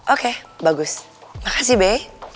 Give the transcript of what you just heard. oke bagus makasih be